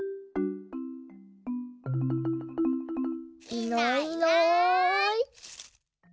いないいない。